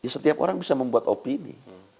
setiap orang bisa membuat opini